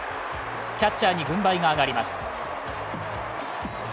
キャッチャーに軍配が上がります。